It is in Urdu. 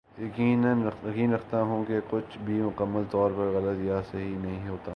یقین رکھتا ہوں کہ کچھ بھی مکمل طور پر غلط یا صحیح نہیں ہوتا